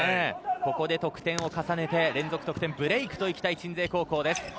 ここで得点を重ねて連続得点ブレイクといきたい鎮西高校。